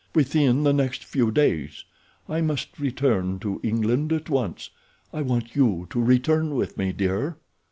"Within the next few days. I must return to England at once—I want you to return with me, dear."